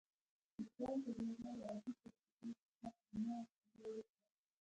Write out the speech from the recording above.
ليکوال ته د غير عادي تجربې کيسه په هماغه ځای وشوه.